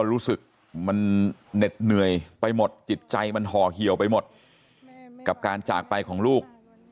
และหิวไปหมดกับการจากไปของลูก